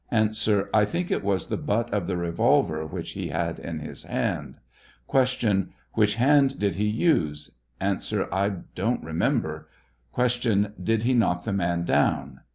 A. I think it was tlie butt of the revolver which he had in his hand. Q. Which hand did he use? A. I don't remember. Q. Did he knock the man down?